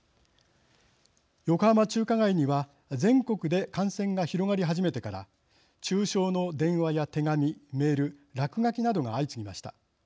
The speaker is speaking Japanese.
横浜中華街には全国で感染が広がり始めてから中傷の電話や手紙、メール落書きなどが相次ぎました。